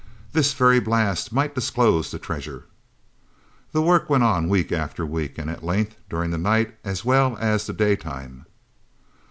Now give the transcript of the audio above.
This very blast might disclose the treasure. The work went on week after week, and at length during the night as well as the daytime.